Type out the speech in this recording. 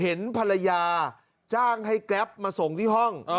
เห็นภรรยาจ้างให้แกรปมาส่งที่ห้อง